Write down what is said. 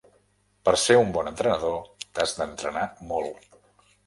Per ser un bon entrenador t'has d'entrenar molt.